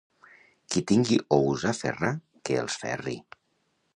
Qui tingui ous a ferrar, que els ferri.